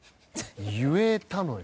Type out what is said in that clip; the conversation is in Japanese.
言えたのよ。